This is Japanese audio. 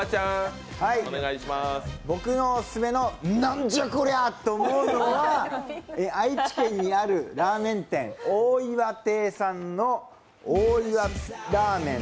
僕のオススメのなんじゃこりゃと思うのは、愛知県にあるラーメン店大岩亭さんの大岩ラーメン